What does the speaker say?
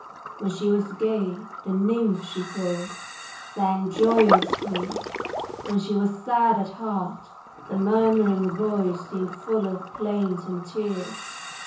When she was gay the nymph she thought Sang joyously, when she was sad at heart The murmuring voice seemed full of plaint and tears.